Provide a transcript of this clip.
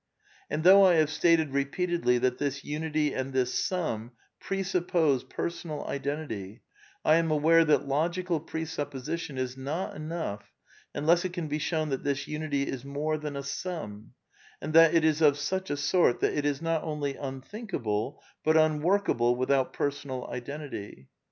And though I have stated repeatedly that this unity and this sum presuppose personal identity, I am aware that logical presupposition is not enough imless it can be shown that this unity is more than a sum, and that it is of such a sort that it is not only unthinkable, but imworkable with out personal identity.